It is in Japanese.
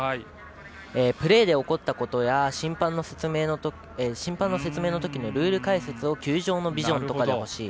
プレーで起こったことや審判の説明のときのルール解説を球場のビジョンとかで欲しい。